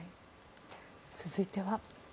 続いては。